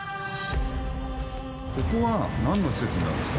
ここは何の施設になるんですか？